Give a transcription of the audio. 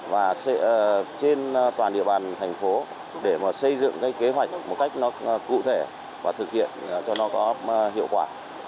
và trên toàn địa bàn thành phố để xây dựng kế hoạch một cách cụ thể và thực hiện cho nó có hiệu quả